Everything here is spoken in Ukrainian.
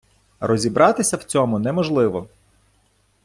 Розібратися в цьому неможливо.